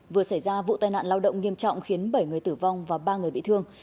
vừa xảy ra vụ tai nạn lao động nghiêm trọng khiến bảy người tử vong và ba người bị thương